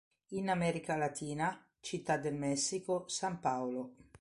In America latina: Città del Messico, San Paolo.